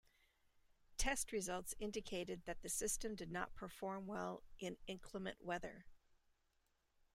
Test results indicated that the system did not perform well in inclement weather.